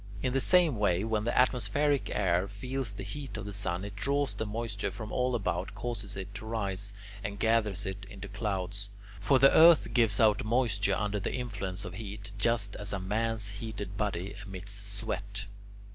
In the same way, when the atmospheric air feels the heat of the sun, it draws the moisture from all about, causes it to rise, and gathers it into clouds. For the earth gives out moisture under the influence of heat just as a man's heated body emits sweat.